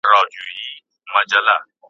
ما تېره میاشت په دې اړه یو کتاب ولوست.